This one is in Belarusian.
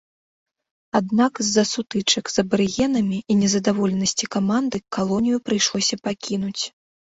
Аднак з-за сутычак з абарыгенамі і незадаволенасці каманды калонію прыйшлося пакінуць.